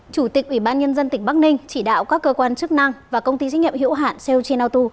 chủ tịch ủy ban nhân dân tỉnh bắc ninh chỉ đạo các cơ quan chức năng và công ty trách nhiệm hiệu hạn seochin atu